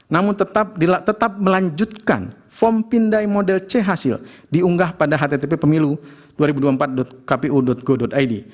namun tetap melanjutkan form pindai model c hasil diunggah pada http pemilu dua ribu dua puluh empat kpu go id